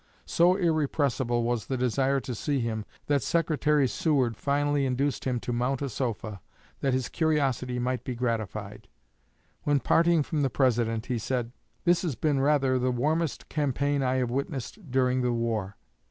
So irrepressible was the desire to see him that Secretary Seward finally induced him to mount a sofa, that this curiosity might be gratified. When parting from the President, he said, 'This has been rather the warmest campaign I have witnessed during the war.'"